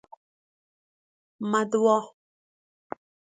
مدعوآ